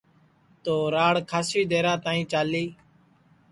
تو راڑ کھاسی درا تائی چالی